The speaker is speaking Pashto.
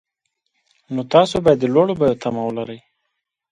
نو تاسو باید د لوړو بیو تمه ولرئ